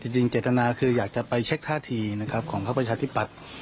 จริงเจตนาคืออยากจะไปเช็คท่าทีของพระบัชฌาติปัตย์